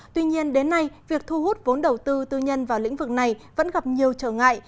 tuy nhiên đến nay việc thu hút vốn đầu tư tư nhân vào lĩnh vực này vẫn gặp nhiều trở ngại